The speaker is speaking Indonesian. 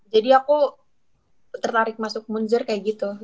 jadi aku tertarik masuk munzer kayak gitu